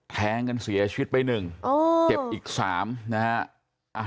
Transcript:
แทงกันเสียชีวิตไป๑เจ็บอีก๓นะฮะ